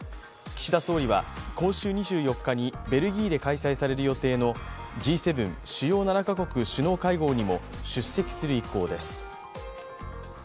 岸田総理は、今週２４日にベルギーで開催される予定のＧ７＝主要７か国首脳会合にも出席する意向です。